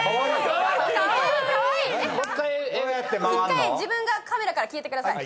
１回自分がカメラから消えてください。